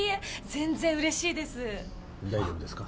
全然嬉しいです大丈夫ですか？